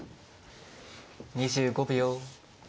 ２５秒。